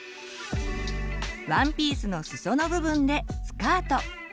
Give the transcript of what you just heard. ワンピースのすその部分でスカート。